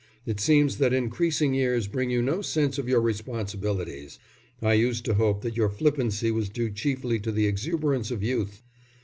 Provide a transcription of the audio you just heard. It seems that increasing years bring you no sense of your responsibilities. I used to hope that your flippancy was due chiefly to the exuberance of youth."